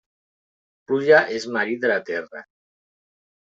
Pluja és marit de la terra.